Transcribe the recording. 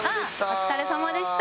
お疲れさまでした。